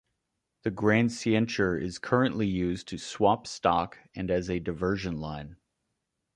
The Grande Ceinture is currently used to swap stock and as a diversion line.